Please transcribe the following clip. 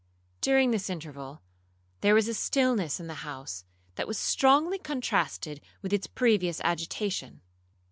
During this interval, there was a stillness in the house that was strongly contrasted with its previous agitation.